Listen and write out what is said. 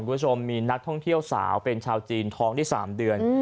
คุณผู้ชมมีนักท่องเที่ยวสาวเป็นชาวจีนท้องได้๓เดือน